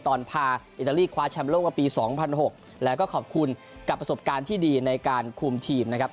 ตอนพาอิตาลีคว้าแชมป์โลกมาปี๒๐๐๖แล้วก็ขอบคุณกับประสบการณ์ที่ดีในการคุมทีมนะครับ